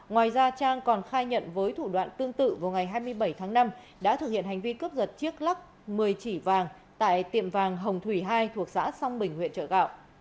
ngoài ra trang còn khai nhận với thủ đoạn tương tự vào ngày hai mươi bảy tháng năm đã thực hiện hành vi cướp giật chiếc lắc một mươi chỉ vàng tại tiệm vàng hồng thủy hai thuộc xã song bình huyện trợ gạo